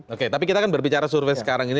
oke tapi kita akan berbicara survei sekarang ini